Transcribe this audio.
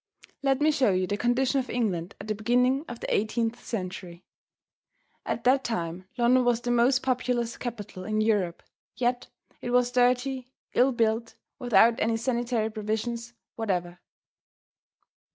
Let me show you the condition of England at the beginning of the eighteenth century. At that time London was the most populous capital in Europe, yet it was dirty, ill built, without any sanitary provisions whatever.